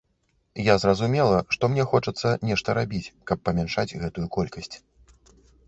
Я зразумела, што мне хочацца нешта рабіць, каб памяншаць гэтую колькасць.